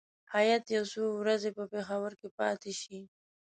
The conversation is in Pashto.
هیات یو څو ورځې په پېښور کې پاتې شي.